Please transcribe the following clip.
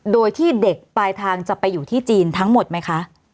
โดยที่เด็กปลายทางจะไปอยู่ที่จีนทั้งหมดไหมคะ